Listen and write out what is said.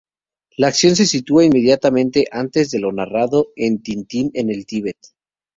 La acción se sitúa inmediatamente antes de lo narrado en "Tintín en el Tíbet".